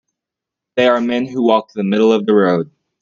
They are men who walk the middle of the road.